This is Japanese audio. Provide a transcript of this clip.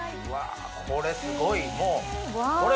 これすごいもう。